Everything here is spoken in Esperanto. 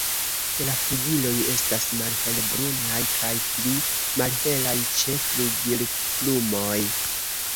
La flugiloj estas malhelbrunaj kaj pli malhelaj ĉe flugilplumoj.